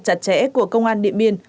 chặt chẽ của công an điện biên